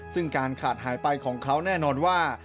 ซึ่งการขาดหายไปของเขาแน่นอนว่า